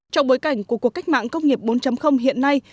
trong bối cảnh của cuộc cách mạng công nghiệp bốn hiện nay